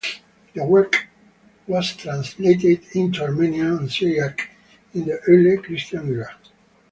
The work was translated into Armenian and Syriac in the early Christian era.